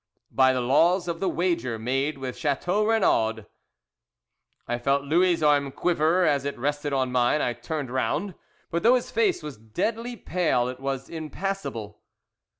"By the laws of the wager made with Chateau Renaud." I felt Louis' arm quiver as it rested on mine I turned round; but though his face was deadly pale, it was impassable.